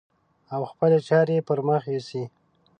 او خپلې چارې پر مخ يوسي.